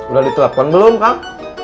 udah ditelepon belum kang